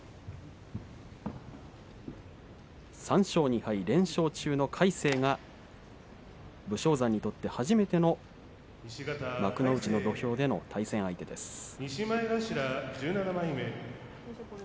３勝２敗、連勝中の魁聖武将山にとって初めての幕内での土俵の対戦相手です。